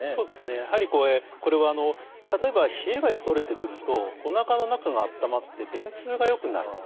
やはりこれはあの例えば冷えがとれてくるとおなかの中が温まって便通がよくなる。